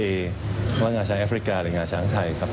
หรือว่าหงาช้างแอฟริกาหรือหงาช้างไทยค่ะ